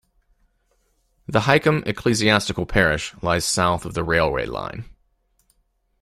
The Hykeham ecclesiastical parish lies south of the railway line.